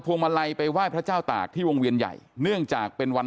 วงมาลัยไปไหว้พระเจ้าตากที่วงเวียนใหญ่เนื่องจากเป็นวัน